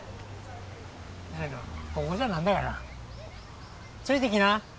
だけどここじゃなんだよなついてきな。